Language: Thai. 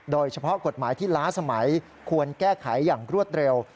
โดยเฉพาะกฎหมายที่ล้าสมัยควรแก้ไขอย่างรวดเร็ว